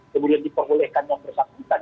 kemudian diperbolehkan yang bersangkutan